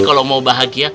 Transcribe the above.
kalau mau bahagia